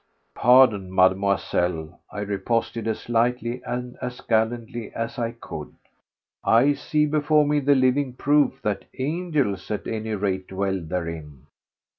"Pardon, Mademoiselle," I riposted as lightly and as gallantly as I could, "I see before me the living proof that angels, at any rate, dwell therein."